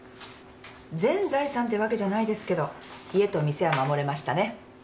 全財産ってわけじゃないですけど家と店は守れましたね。